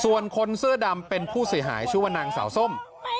ส่วนคนเสื้อดำเป็นผู้เสียหายชื่อว่านางสาวส้ม